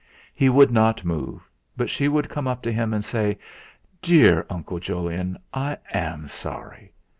He would not move, but she would come up to him and say: 'Dear Uncle Jolyon, I am sorry!'